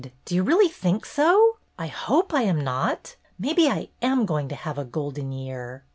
Do you really think so? I hope I am not. Maybe I am going to have a Golden Year.